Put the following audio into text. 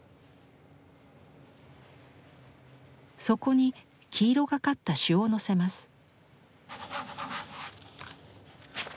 そこに黄色がかった朱をのせます。